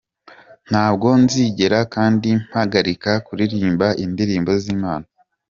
Ntabwo nzigera kandi mpagarika kuririmba indirimbo z’Imana.